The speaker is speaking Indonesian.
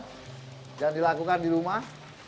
jangan dilakukan di rumah